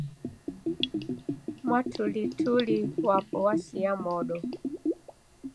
Mwatulituli wapo w'asia modo